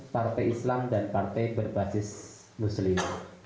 partai islam dan partai berbasis muslim